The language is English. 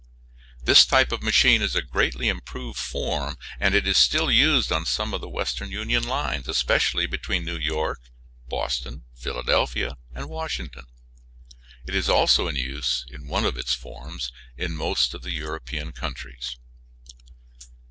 This type of machine in a greatly improved form is still used on some of the Western Union lines, especially between New York, Boston, Philadelphia, and Washington. It is also in use in one of its forms in most of the European countries.